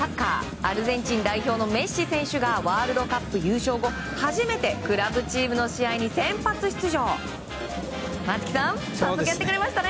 アルゼンチン代表のメッシ選手がワールドカップ優勝後初めてクラブチームの試合に先発出場！松木さん早速やってくれましたね。